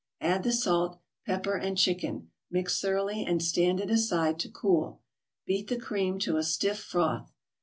Add the salt, pepper and chicken, mix thoroughly and stand it aside to cool. Beat the cream to a stiff froth.